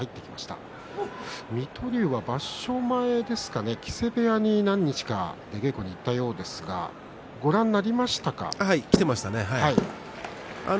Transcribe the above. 水戸龍は場所前ですか木瀬部屋に何日か稽古に行ったようですが来ていましたね。